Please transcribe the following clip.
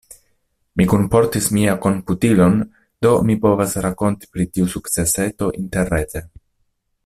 Mi kunportis mian komputilon, do mi povas rakonti pri tiu sukceseto interrete.